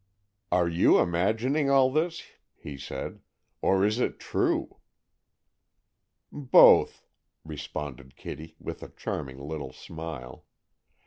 "Are you imagining all this," he said, "or is it true?" "Both," responded Kitty, with a charming little smile.